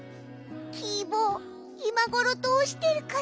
キー坊いまごろどうしてるかしら？